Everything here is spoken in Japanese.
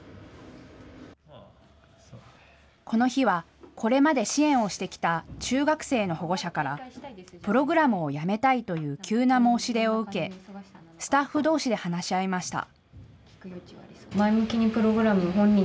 この日はこれまで支援をしてきた中学生の保護者から、プログラムをやめたいという急な申し出を受け、スタッフどうしで話し合いました。